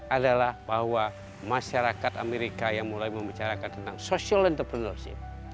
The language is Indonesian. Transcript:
adalah bahwa masyarakat amerika yang mulai membicarakan tentang social entrepreneurship